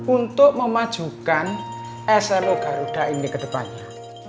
untuk memajukan slo garuda ini ke depannya